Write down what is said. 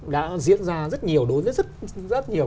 đã diễn ra rất nhiều đối với rất nhiều